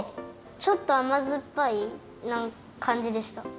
ちょっとあまずっぱいかんじでした。